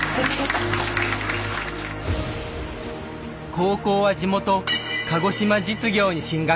高校は地元鹿児島実業に進学。